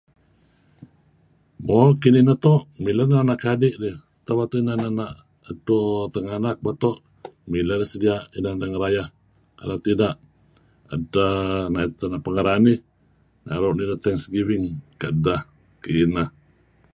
Moo' kinih neto', mileh neh anak adi', tak beto' inan ena' edto tinganak beto' mileh ideh sedia' inan deh ngerayeh. Kalau tidak edtah nait pengah ranih naru' nideh thanksgiving kedah. Kineh.